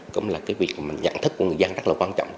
cũng là cái việc mà nhận thức của người dân rất là quan trọng